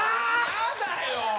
やだよ！